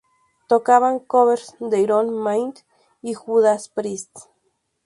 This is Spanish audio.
Tocaban covers de Iron Maiden y Judas Priest.